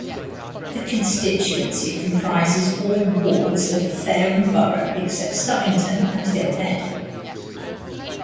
The constituency comprises all wards of the Fareham borough except Stubbington and Hill Head.